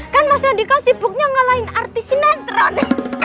kan mas radhika sibuknya ngalahin artis sinetron